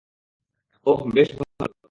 ওহ, বেশ ভালো।